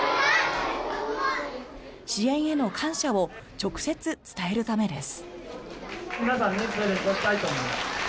支援への感謝を直接伝えるためです。